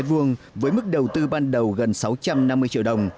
với mức đầu tư ban đầu gần sáu trăm năm mươi triệu đồng